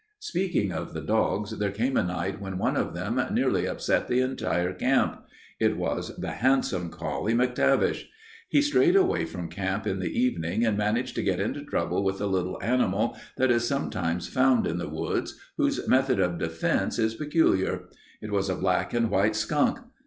Speaking of the dogs, there came a night when one of them nearly upset the entire camp. It was the handsome collie, MacTavish. He strayed away from camp in the evening and managed to get into trouble with a little animal that is sometimes found in the woods whose method of defense is peculiar. It was a black and white skunk.